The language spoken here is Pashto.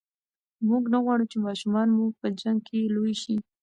موږ نه غواړو چې ماشومان مو په جنګ کې لوي شي.